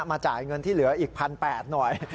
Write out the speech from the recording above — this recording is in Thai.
จ่ายเงินที่เหลืออีก๑๘๐๐หน่อย